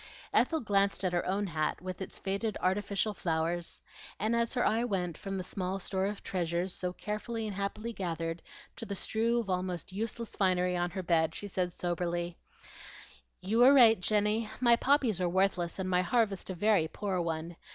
Ethel glanced at her own hat with its faded artificial flowers; and as her eye went from the small store of treasures so carefully and happily gathered to the strew of almost useless finery on her bed, she said soberly, "You were right, Jenny. My poppies are worthless, and my harvest a very poor one.